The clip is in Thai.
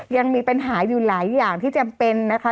ยังมีปัญหาอยู่หลายอย่างที่จำเป็นนะคะ